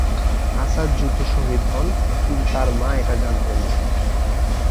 আসাদ যুদ্ধে শহিদ হন, কিন্তু তার মা এটা জানতেন না।